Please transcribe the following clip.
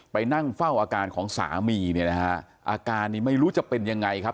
ไปนั่งเฝ้าอาการของสามีเนี่ยนะฮะอาการนี้ไม่รู้จะเป็นยังไงครับ